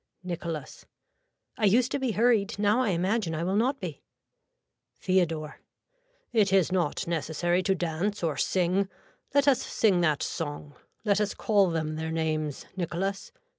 (Nicholas.) I used to be hurried, now I imagine I will not be. (Theodore.) It is not necessary to dance or sing. Let us sing that song. Let us call them their names Nicholas.